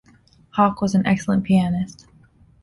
Hawke was an excellent pianist.